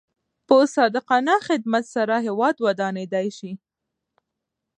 په صادقانه خدمت سره هیواد ودانېدای شي.